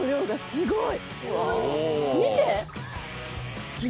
すごい！